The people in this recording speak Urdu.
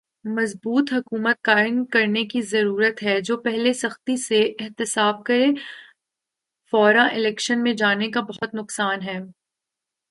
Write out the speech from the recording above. مضبوط حکومت قائم کرنے کی ضرورت ہے۔۔جو پہلے سختی سے احتساب کرے۔۔فورا الیکشن میں جانے کا بہت نقصان ہے۔۔